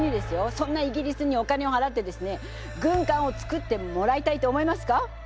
そんなイギリスにお金をはらってですね軍艦をつくってもらいたいと思いますか？